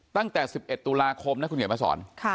ตั้งแต่๑๑ตุลาคมนะคุณเขียนมาสอน